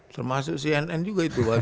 termasuk cnn juga itu